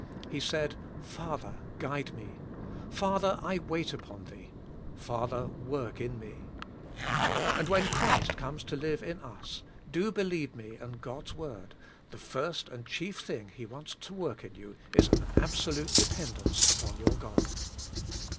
He said, *' Father, g uide me," "Father, I wait upon Thee,'' "Father, work in me," and when Christ comes to live in us, do believe me and God's word, the first and chief thing He wants to work in you, is an absolute dependence upon your God.